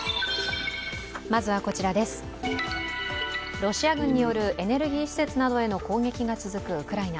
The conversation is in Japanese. ロシア軍によるエネルギー施設などへの攻撃が続くウクライナ。